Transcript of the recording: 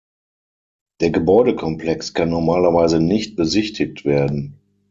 Der Gebäudekomplex kann normalerweise nicht besichtigt werden.